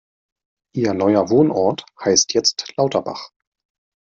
Ihr neuer Wohnort heißt jetzt Lauterbach.